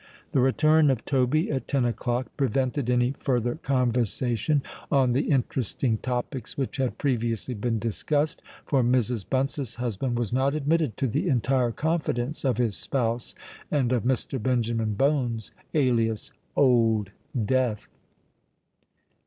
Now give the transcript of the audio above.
The return of Toby at ten o'clock prevented any further conversation on the interesting topics which had previously been discussed; for Mrs. Bunce's husband was not admitted to the entire confidence of his spouse and of Mr. Benjamin Bones, alias Old Death.